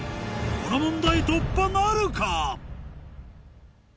この問題突破なるか？